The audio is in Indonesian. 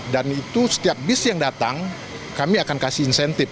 itu setiap bis yang datang kami akan kasih insentif